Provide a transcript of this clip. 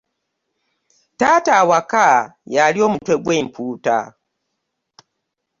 Taata awaka y'alya omutwe gw'empuuta.